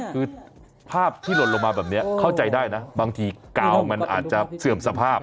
คือภาพที่หล่นลงมาแบบนี้เข้าใจได้นะบางทีกาวมันอาจจะเสื่อมสภาพ